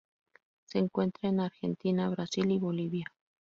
Se encuentra en Argentina, Brasil y Bolivia.